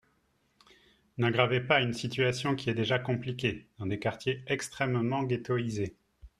N’aggravez pas une situation qui est déjà compliquée dans des quartiers extrêmement ghettoïsés